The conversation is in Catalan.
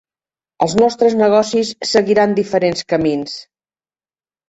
Els nostres negocis seguiran diferents camins.